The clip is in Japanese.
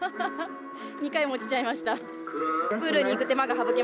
２回も落ちちゃいました。